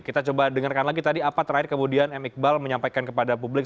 kita coba dengarkan lagi tadi apa terakhir kemudian m iqbal menyampaikan kepada publik